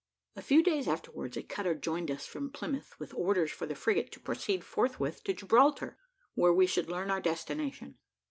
A few days afterwards, a cutter joined us from Plymouth with orders for the frigate to proceed forthwith to Gibraltar, where we should learn our destination.